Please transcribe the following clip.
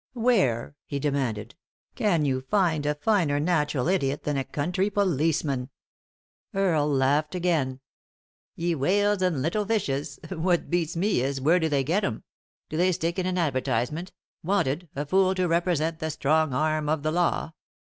"Where," he demanded, "can you find a finer natural idiot than a country policeman ?" Earle laughed again. " Ye whales and little fishes 1 What beats me is, where do they get 'em ? Do they stick in an advertise ment, ' Wanted, a fool, to represent the strong arm of the law